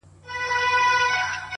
• ته به د خوب په جزيره كي گراني ؛